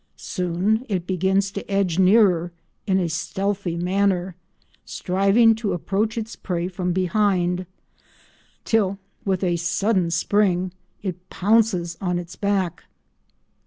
Soon it begins to edge nearer in a stealthy manner, striving to approach its prey from behind, till, with a sudden spring, it pounces on its back.